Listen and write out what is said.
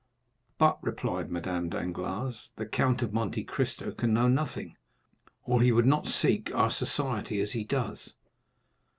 "But," replied Madame Danglars, "the Count of Monte Cristo can know nothing, or he would not seek our society as he does."